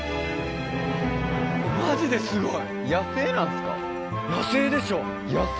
マジですごい。